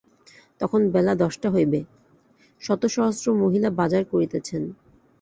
তখন বেলা দশটা হইবে, শত সহস্র মহিলা বাজার করিতেছেন।